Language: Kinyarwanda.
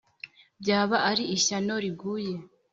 Ryaba ari ishyano riguye